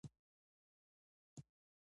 ما وویل پټرول پمپ چېرې دی.